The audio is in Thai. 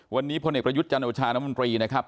วันนี้พลเอกประยุทธ์จันโอชาน้ำมนตรีนะครับ